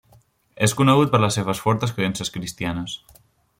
És conegut per les seves fortes creences cristianes.